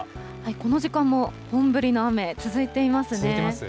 この時間も本降りの雨、続いていますね。